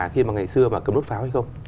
khi mà ngày xưa mà cấm đốt pháo hay không